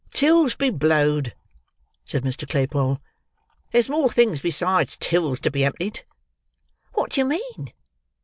"Tills be blowed!" said Mr. Claypole; "there's more things besides tills to be emptied." "What do you mean?"